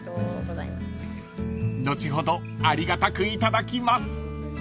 ［後ほどありがたくいただきます］